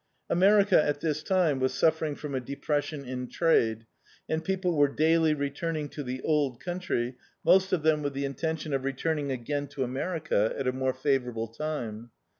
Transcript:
America, at this rime, was suffer ing from a depression in trade, and people were daily returning to the old country, most of them with the intentirai of returning again to America at a more favourable time.